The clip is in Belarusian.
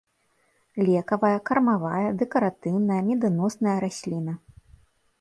Лекавая, кармавая, дэкаратыўная, меданосная расліна.